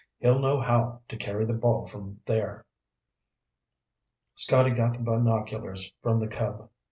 He'll know how to carry the ball from there." Scotty got the binoculars from the Cub.